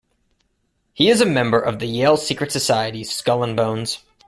He is a member of the Yale secret society Skull and Bones.